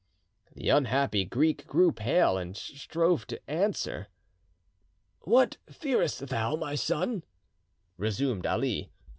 The unhappy Greek grew pale and strove to answer. "What fearest thou, my son?" resumed Ali.